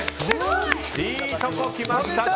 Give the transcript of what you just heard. いいとこきました。